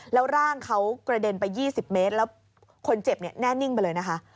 แล้วร่างเขากระเด็นไป๒๐เมตรแล้วคนเจ็บเนี่ยแน่นิ่งไปเลยนะคะ